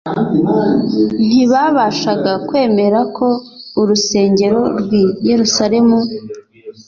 Ntibabashaga kwemera ko urusengero rw’i Yerusalemu